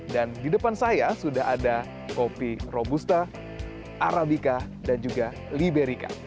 dan di depan saya sudah ada kopi robusta arabica dan juga liberica